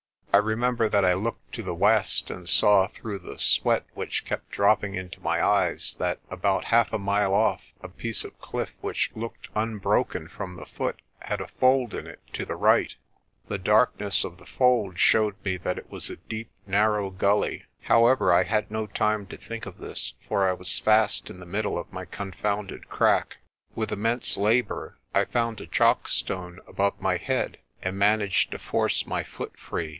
I remember that I looked to the west, and saw through the sweat which kept dropping into my eyes that about half a mile off a piece of cliff which looked unbroken from the foot had a fold in it to the right. The darkness of the fold showed me that it was a deep, narrow gully. However, I had no time to think of this, for I was fast in the middle of my confounded crack. With immense labour I found a chockstone above my head, and managed to force my foot free.